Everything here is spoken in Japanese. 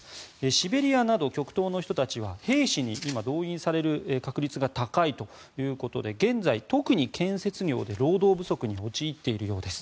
シベリアなど極東の人たちは今、兵士に動員される確率が高いということで現在、特に建設業で労働不足に陥っているようです。